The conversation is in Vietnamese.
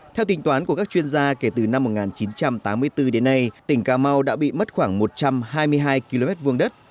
theo tính toán của các chuyên gia kể từ năm một nghìn chín trăm tám mươi bốn đến nay tỉnh cà mau đã bị mất khoảng một trăm hai mươi hai km vuông đất